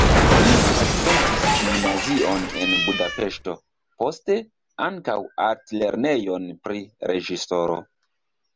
Li frekventis gimnazion en Budapeŝto, poste ankaŭ altlernejon pri reĝisoro.